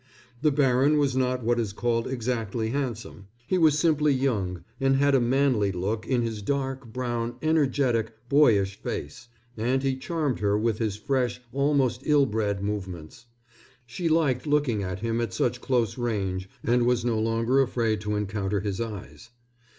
The baron was not what is called exactly handsome. He was simply young and had a manly look in his dark brown, energetic, boyish face, and he charmed her with his fresh, almost ill bred movements. She liked looking at him at such close range and was no longer afraid to encounter his eyes.